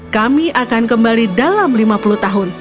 kami akan kembali dalam lima puluh tahun